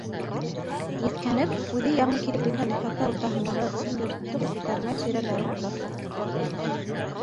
Еҫкәнеп, үҙе яңы килеп ингән ихата уртаһындағы ыҡсым йорттоң күтәрмә тирәләрен урап сыҡты.